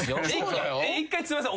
一回すいません。